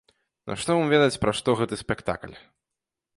На што вам ведаць пра што гэты спектакль?